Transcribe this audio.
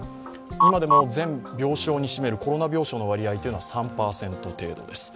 今でも全病床に占めるコロナ病床の割合は３％程度です。